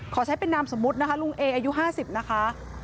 ขอใช้เป็นนามสมมุตินะคะลุงเออายุ๕๐นะคะ